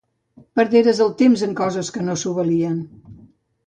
Perderes el temps en coses que no s'ho valien.